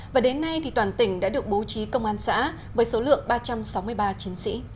và đến nay toàn tỉnh đã được bố trí công an xã với số lượng ba trăm sáu mươi ba chiến sĩ